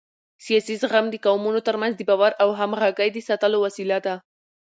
سیاسي زغم د قومونو ترمنځ د باور او همغږۍ د ساتلو وسیله ده